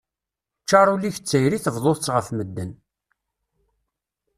Ččar ul-ik d tayri tebḍuḍ-tt ɣef medden.